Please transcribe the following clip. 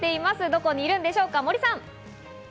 どこにいるんでしょうか、森さん。